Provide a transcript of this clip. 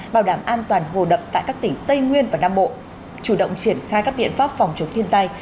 bảo đảm an toàn hồ đập tại các tỉnh tây nguyên và nam bộ chủ động triển khai các biện pháp phòng chống thiên tai